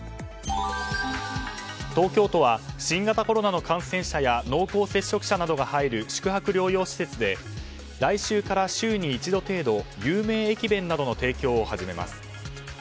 東京都は新型コロナの感染者や濃厚接触者などが入る宿泊料用施設で来週から週に１度程度有名駅弁などの提供を始めます。